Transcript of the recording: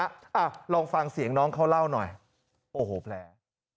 อ่ะลองฟังเสียงน้องเขาเล่าหน่อยโอ้โหแผล